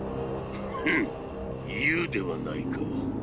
フッ言うではないか。